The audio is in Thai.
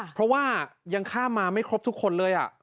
เพราะว่ายังข้ามมาไม่ครบทุกคนเลย